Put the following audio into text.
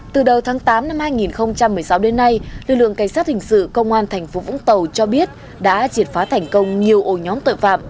từ đầu tháng tám năm hai nghìn một mươi sáu đến nay lực lượng cảnh sát hình sự công an tp vũng tàu cho biết đã triệt phá thành công nhiều ổ nhóm tội phạm